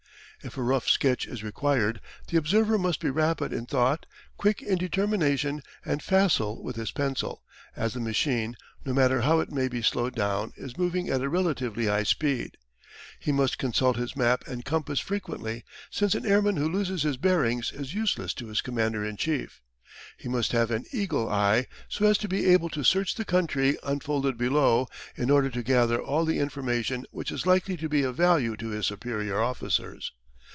If a rough sketch is required, the observer must be rapid in thought, quick in determination, and facile with his pencil, as the machine, no matter how it may be slowed down, is moving at a relatively high speed. He must consult his map and compass frequently, since an airman who loses his bearings is useless to his commander in chief. He must have an eagle eye, so as to be able to search the country unfolded below, in order to gather all the information which is likely to be of value to his superior officers.